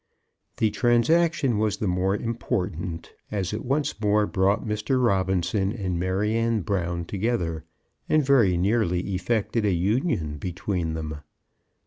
The transaction was the more important as it once more brought Mr. Robinson and Maryanne Brown together, and very nearly effected a union between them.